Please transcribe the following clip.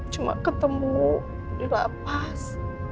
cuma ketemu dilapas